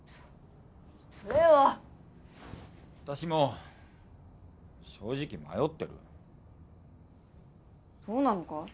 そそれは私も正直迷ってるそうなのか？